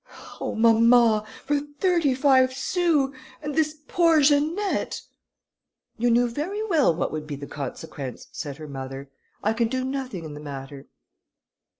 "Oh! mamma! for thirty five sous! and this poor Janette!" "You knew very well what would be the consequence," said her mother; "I can do nothing in the matter."